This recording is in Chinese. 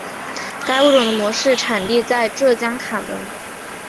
该物种的模式产地在浙江坎门。